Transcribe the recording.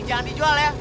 jangan dijual ya